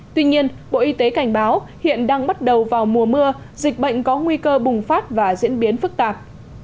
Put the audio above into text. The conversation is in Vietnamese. tuy nhiên bộ y tế cảnh báo hiện đang bắt đầu vào mùa mưa dịch bệnh có nguy cơ bùng phát và diễn biến phức tạp